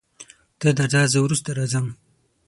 ته درځه زه وروسته راځم.